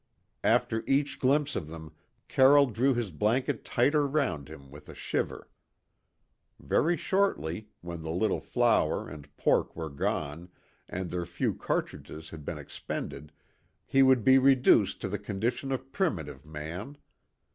After each glimpse of them, Carroll drew his blanket tighter round him with a shiver. Very shortly, when the little flour and pork were gone and their few cartridges had been expended, he would be reduced to the condition of primitive man.